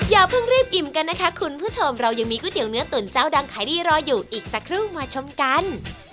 อย่าเพิ่งรีบอิ่มกันนะคะคุณผู้ชมเรายังมีก๋วเนื้อตุ๋นเจ้าดังขายดีรออยู่อีกสักครู่มาชมกัน